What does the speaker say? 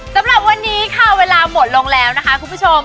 สำหรับวันนี้ค่ะเวลาหมดลงแล้วนะคะคุณผู้ชม